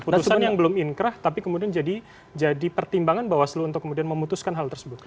putusan yang belum inkrah tapi kemudian jadi pertimbangan bawaslu untuk kemudian memutuskan hal tersebut